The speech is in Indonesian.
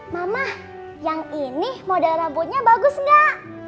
mama yang ini model rambutnya bagus nggak